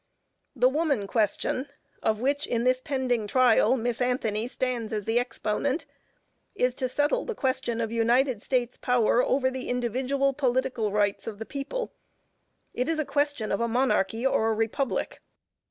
The woman question, of which in this pending trial, Miss Anthony stands as the exponent, is to settle the question of United States power over the individual political rights of the people; it is a question of a monarchy or a republic.